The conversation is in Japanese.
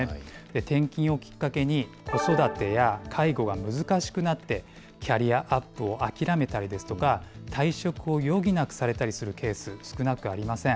転勤をきっかけに、子育てや介護は難しくなって、キャリアアップを諦めたりですとか、退職を余儀なくされたりするケース、少なくありません。